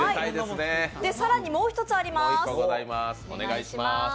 更に、もう１つあります。